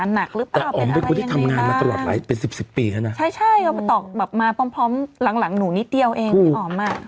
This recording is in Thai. หลังหนูนิดเดียวเองอ๋อมอะ